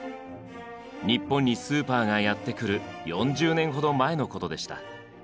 日本にスーパーがやってくる４０年ほど前のことでした。